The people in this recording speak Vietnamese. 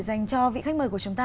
dành cho vị khách mời của chúng ta